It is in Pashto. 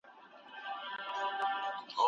دا پروګرام تر هغه پخواني ډېر ګټور دی.